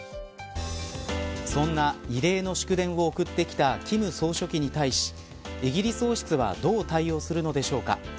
そんな異例の祝電を送ってきた金総書記に対しイギリス王室はどう対応するのでしょうか。